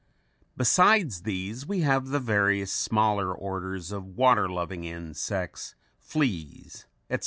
Besides these we have the various smaller orders of water loving insects, fleas, etc.